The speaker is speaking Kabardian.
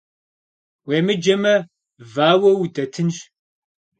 Уемыджэмэ, вауэу удэтынщ.